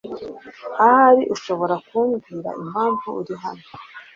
Ahari ushobora kumbwira impamvu uri hano.